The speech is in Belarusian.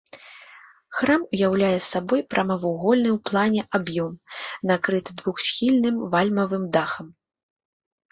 Храм уяўляе сабой прамавугольны ў плане аб'ём, накрыты двухсхільным вальмавым дахам.